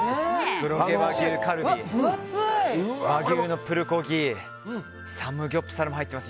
黒毛和牛カルビ、和牛プルコギサムギョプサルも入っています。